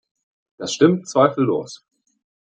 Das stimmt zweifellos.